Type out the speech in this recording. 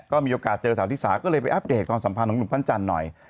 ก็มีโอกาสเจอสาวธิสาก็เลยไปอัปเดตความสัมพันธ์ของหนุ่มปั้นจันทร์หน่อย